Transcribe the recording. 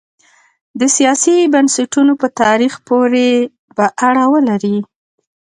د سیاسي بنسټونو په تاریخ پورې به اړه ولري.